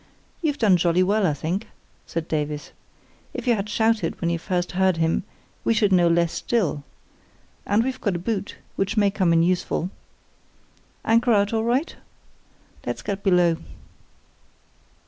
"You've done jolly well, I think," said Davies. "If you had shouted when you first heard him we should know less still. And we've got a boot, which may come in useful. Anchor out all right? Let's get below."